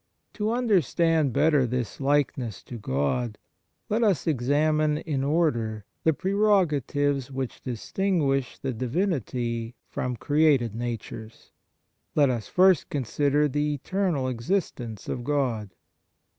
To understand better this likeness to God, let us examine in order the preroga tives which distinguish the Divinity from created natures. Let us first consider the eternal existence of God.